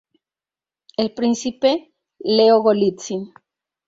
El príncipe Leo Golitsin.